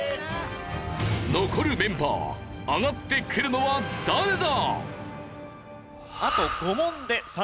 残るメンバー上がってくるのは誰だ！？